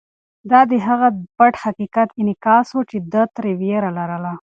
دا د هغه پټ حقیقت انعکاس و چې ده ترې وېره لرله.